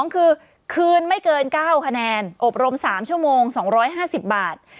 ๒คือคืนไม่เกิน๙คะแนนอบรม๓ชั่วโมง๒๕๐บาท